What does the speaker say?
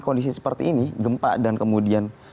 kondisi seperti ini gempa dan kemudian